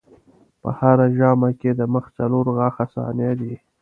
په هره ژامه کې د مخې څلور غاښه ثنایا دي.